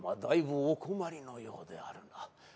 だいぶお困りのようであるな。